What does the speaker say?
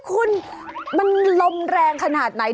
คุณมันลมแรงขนาดไหน